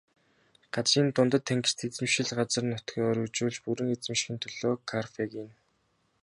Газрын дундад тэнгист эзэмшил газар нутгаа өргөжүүлж бүрэн эзэмшихийн төлөө Карфаген.